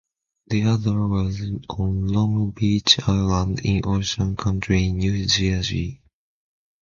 The other was on Long Beach Island in Ocean County, New Jersey.